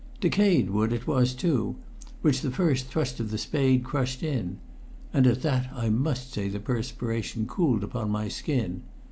Decayed wood it was, too, which the first thrust of the spade crushed in; and at that I must say the perspiration cooled upon my skin.